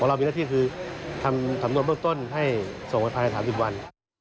เรามีหน้าที่คือทำสำนวนเบื้องต้นให้ส่งไปภายใน๓๐วัน